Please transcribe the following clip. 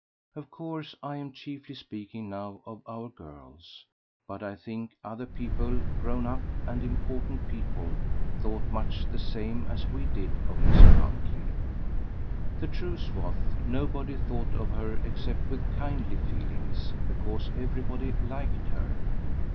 Of course I am chiefly speaking now of our girls, but I think other people grown up and important people thought much the same as we did of Miss Grantley. The truth was, nobody thought of her except with kindly feelings, because everybody liked her.